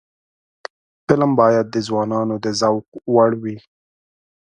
فلم باید د ځوانانو د ذوق وړ وي